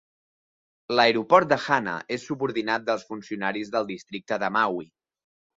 L'aeroport de Hana és subordinat dels funcionaris del districte de Maui.